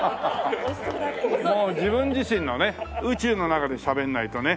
もう自分自身のね宇宙の中でしゃべらないとね。